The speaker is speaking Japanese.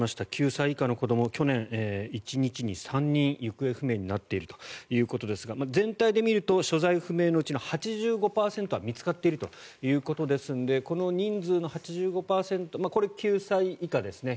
９歳以下の子ども去年１日に３人行方不明になっているということですが全体で見ると所在不明のうち８５％は見つかっているということですのでこの人数の８５％これ、９歳以下ですね。